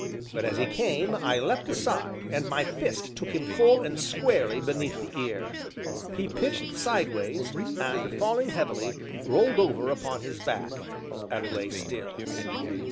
But as he came, I leapt aside, and my fist took him full and squarely beneath the ear. He pitched sideways, and, falling heavily, rolled over upon his back, and lay still.